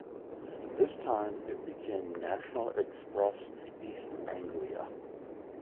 This time it became National Express East Anglia.